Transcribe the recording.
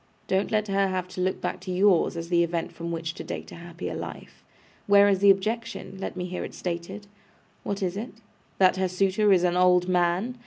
Don't let her have to look back to yours, as the event from which to date a happier life. Where is the objection? Let me hear it stated. What is it? That her suitor is an old man?